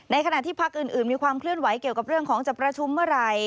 ขณะที่พักอื่นมีความเคลื่อนไหวเกี่ยวกับเรื่องของจะประชุมเมื่อไหร่